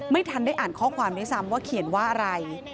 ไม่ทันได้อ่านข้อความด้วยซ้ำว่าเขียนว่าอะไร